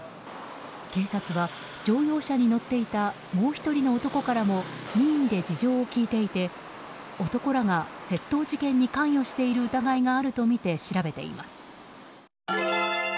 警察は乗用車に乗っていたもう１人の男からも任意で事情を聴いていて男らが窃盗事件に関与している疑いがあるとみて調べています。